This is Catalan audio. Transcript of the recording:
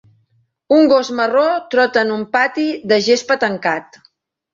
Un gos marró trota en un pati de gespa tancat.